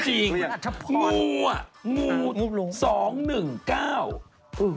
จริงงว่างู๒๑๙